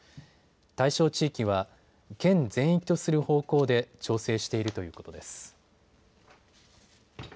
対象地域は県全域とする方向で調整しているということです。